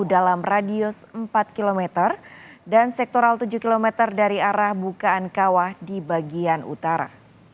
dalam radius empat km dan sektoral tujuh km dari arah bukaan kawah di bagian utara